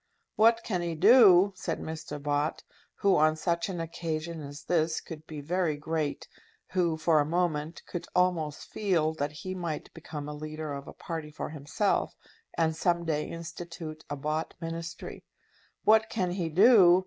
"What can he do?" said Mr. Bott, who on such an occasion as this could be very great, who, for a moment, could almost feel that he might become a leader of a party for himself, and some day institute a Bott Ministry. "What can he do?